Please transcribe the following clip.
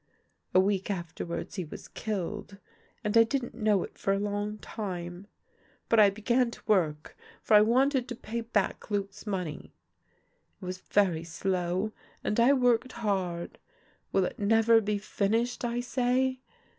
A week after wards he was killed, and I didn't know it for a long time. But I began to work, for I wanted to pay back Luc's money. It was very slow, and I worked hard. Will it never be finished ? I say.